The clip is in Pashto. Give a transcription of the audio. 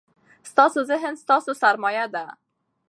ستاسو ذهن ستاسو سرمایه ده.